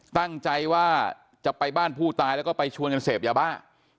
ตั้งใจว่าจะไปบ้านผู้ตายแล้วก็ไปชวนกันเสพยาบ้า